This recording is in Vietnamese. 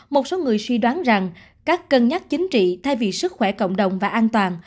một số người suy đoán rằng các cân nhắc chính trị thay vì sức khỏe cộng đồng và an toàn